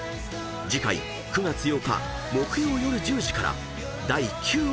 ［次回９月８日木曜夜１０時から第９話放送］